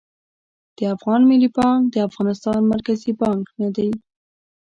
د افغان ملي بانک د افغانستان مرکزي بانک نه دي